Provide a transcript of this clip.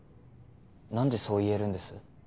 何でそう言えるんです？